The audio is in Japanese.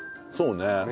そうね。